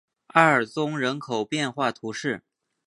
阿尔宗人口变化图示